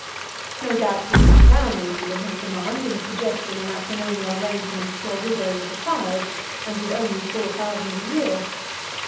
No doubt he had come down a little in his demand in suggesting a matrimonial arrangement to a widow with a child, and with only four thousand a year.